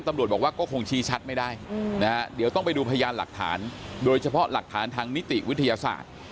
ตำรวจบอกว่าก็คงชี้ชัดไม่ได้นะฮะเดี๋ยวต้องไปดูพยานหลักฐานโดยเฉพาะหลักฐานทางนิติวิทยาศาสตร์